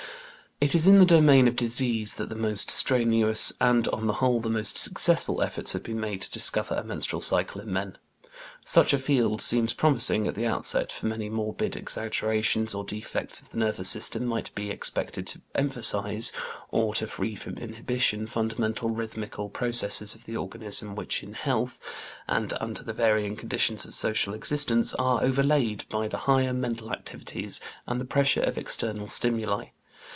It is in the domain of disease that the most strenuous and, on the whole, the most successful efforts have been made to discover a menstrual cycle in men. Such a field seems promising at the outset, for many morbid exaggerations or defects of the nervous system might be expected to emphasize, or to free from inhibition, fundamental rhythmical processes of the organism which in health, and under the varying conditions of social existence, are overlaid by the higher mental activities and the pressure of external stimuli.